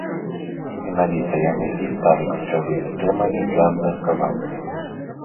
Менавіта яны і сталі ключавымі тэмамі для абмеркавання.